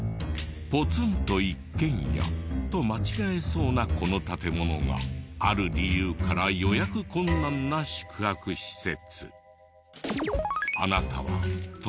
ポツンと一軒家と間違えそうなこの建物がある理由から予約困難な宿泊施設。